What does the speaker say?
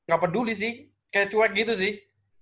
gak peduli sih kayak cuek gitu sih